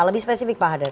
lebih spesifik pak hadad